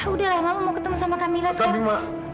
udah lah mama mau ketemu sama kamilah sayang